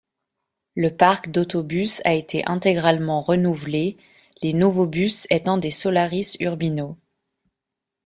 Le parc d'autobus a été intégralement renouvelée, les nouveaux bus étant des Solaris Urbino.